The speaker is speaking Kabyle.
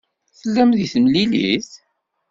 Tellam deg temlilit?